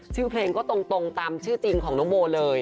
ชื่อเพลงก็ตรงตามชื่อจริงของน้องโบเลย